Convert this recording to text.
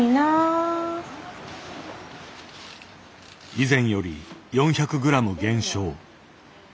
以前より４００ｇ減少。